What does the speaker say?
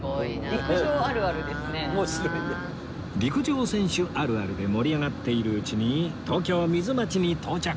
陸上選手あるあるで盛り上がっているうちに東京ミズマチに到着